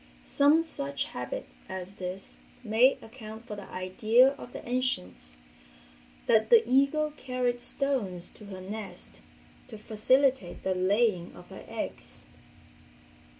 Some such habit as this may account for the idea of the ancients that the eagle carried stones to her nest to facilitate the laying of her eggs.